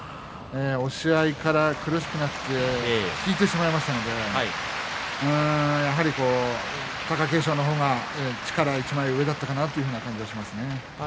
押し合いから苦しくなって引いてしまいましたのでやはり貴景勝の方が力が一枚上だったかなという気がしますね。